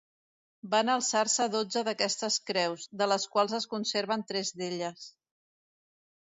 Van alçar-se dotze d'aquestes creus, de les quals es conserven tres d'elles.